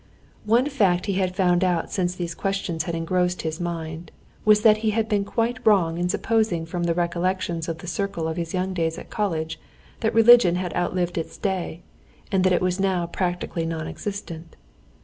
One fact he had found out since these questions had engrossed his mind, was that he had been quite wrong in supposing from the recollections of the circle of his young days at college, that religion had outlived its day, and that it was now practically non existent.